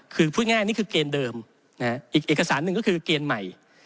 คือพูดง่ายนี่คือเกณฑ์เดิมอีกเอกสารหนึ่งก็คือเกณฑ์ใหม่